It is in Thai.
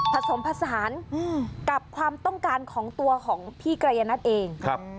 ผสมผสานกับความต้องการของตัวของพี่ไกรยนัทเอง